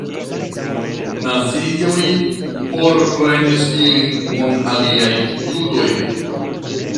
Nazioj forprenis ilin kun aliaj judoj.